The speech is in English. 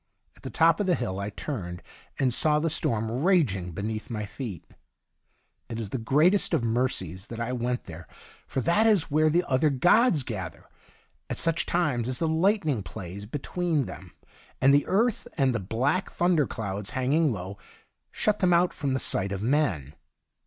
At the top of the hill I turned, and saw the storm raging beneath my feet. It is the greatest of mercies that I went there, for that is where the other gods gather, at such times as the lightning plays between them THE DIARY OF A GOB and the earth, and the black thunder clouds, hanging low, shut them out from the sight of men.